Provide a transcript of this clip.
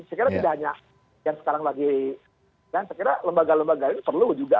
sekiranya lembaga lembaga perlu juga